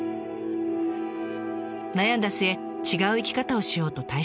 悩んだ末違う生き方をしようと退職。